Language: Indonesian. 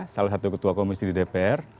salah satu ketua komisi di dpr